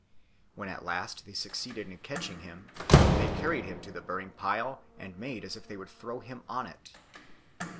When at last they succeeded in catching him they carried him to the burning pile and made as if they would throw him on it.